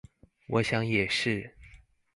我想也是